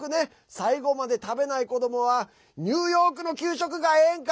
最後まで食べない人はニューヨークの給食がええんか？